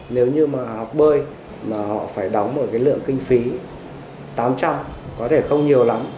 nếu như mà học bơi mà họ phải đóng một cái lượng kinh phí tám trăm linh có thể không nhiều lắm